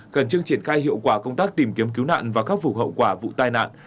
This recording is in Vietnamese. khẩn trương triển khai hiệu quả công tác tìm kiếm cứu nạn và khắc phục hậu quả vụ tai nạn